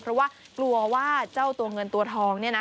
เพราะว่ากลัวว่าเจ้าตัวเงินตัวทองเนี่ยนะ